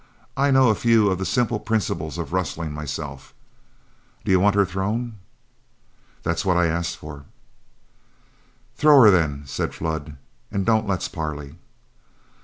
I know a few of the simple principles of rustling myself. Do you want her thrown?" "That's what I asked for." "Throw her, then," said Flood, "and don't let's parley."